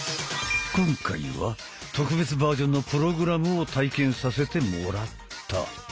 今回は特別バージョンのプログラムを体験させてもらった。